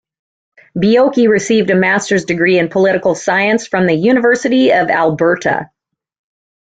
Biocchi received a master's degree in political science from the University of Alberta.